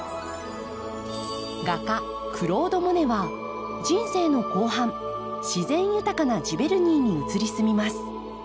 画家クロード・モネは人生の後半自然豊かなジヴェルニーに移り住みます。